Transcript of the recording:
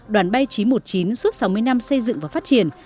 đoàn bay chín trăm một mươi chín suốt sáu mươi năm xây dựng và phát triển